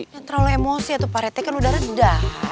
gak terlalu emosi ya tuh pak rt kan udara dah